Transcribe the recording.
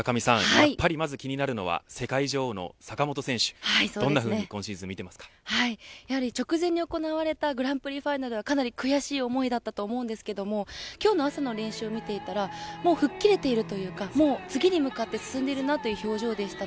やっぱりまず気になるのは世界女王の坂本選手どんなふうにやはり直前に行われたグランプリファイナルはかなり悔しい思いだったと思うんですけど今日の朝の練習を見ていたら吹っ切れているというか次に向かって進んでいるなという表情でした。